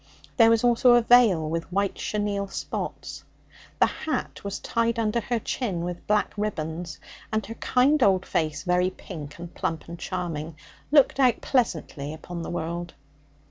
There was also a veil with white chenille spots. The hat was tied under her chin with black ribbons, and her kind old face, very pink and plump and charming, looked out pleasantly upon, the world.